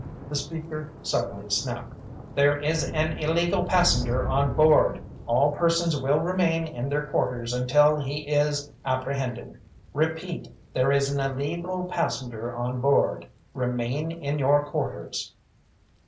The speaker suddenly snapped: "_There is an illegal passenger on board! All persons will remain in their quarters until he is apprehended! Repeat: there is an illegal passenger on board! Remain in your quarters!